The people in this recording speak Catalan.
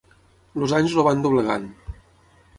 Els anys el van doblegant.